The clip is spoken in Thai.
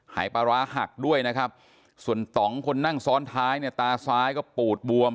หายปลาร้าหักด้วยนะครับส่วนต่องคนนั่งซ้อนท้ายเนี่ยตาซ้ายก็ปูดบวม